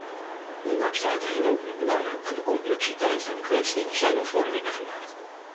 Ondanks de uiteenlopende belangen en de complexiteit van de kwestie zijn al vorderingen gemaakt.